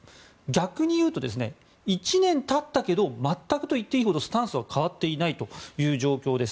逆にいうと１年経ったけど全くと言っていいほどスタンスは変わっていないという状況です。